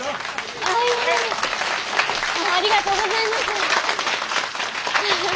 ありがとうございます。